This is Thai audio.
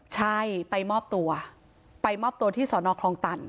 ใช่ไปมอบตัวไปมอบตัวที่สอนอคลองตัน